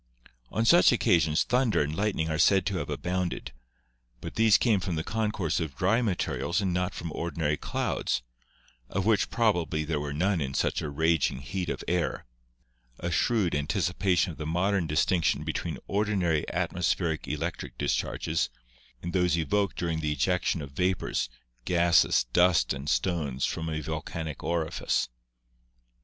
On such occasions thun der and lightning are said to have abounded, but these came from the concourse of dry materials and not from ordinary clouds, of which probably there were none in such a raging heat of air — a shrewd anticipation of the 14 GEOLOGY modern distinction between ordinary atmospheric electric discharges and those evoked during the ejection of vapors, gases, dust and stones from a volcanic orifice.